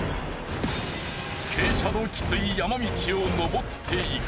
傾斜のきつい山道を登っていく。